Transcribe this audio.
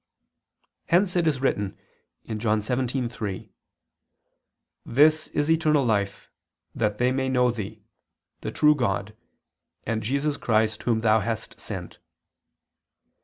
Hence it is written (John 17:3): "This is eternal life: that they may know Thee, the ... true God, and Jesus Christ Whom Thou hast sent."